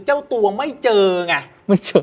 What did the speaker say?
เจ้าตัวไม่เจอไง